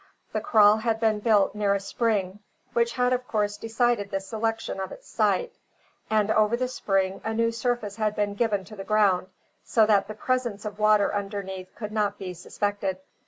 The kraal had been built near a spring, which had of course decided the selection of its site; and over the spring a new surface had been given to the ground, so that the presence of water underneath could not be suspected.